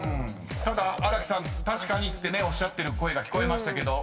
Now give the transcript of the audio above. ［ただ新木さん「確かに」っておっしゃってる声が聞こえましたけど］